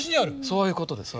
そういうことです。